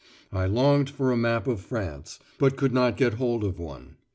I longed for a map of France, but could not get hold of one.